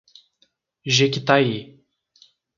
Jequitaí